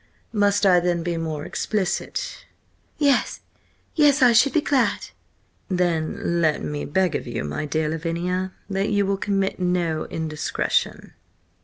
Must I then be more explicit?" "Yes! Yes! I should be glad!" "Then let me beg of you, my dear Lavinia, that you will commit no indiscretion."